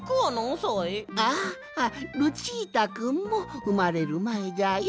ああルチータくんもうまれるまえじゃよ。